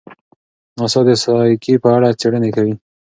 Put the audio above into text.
ناسا د سایکي په اړه څېړنې کوي.